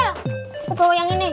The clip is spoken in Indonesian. aku bawa yang ini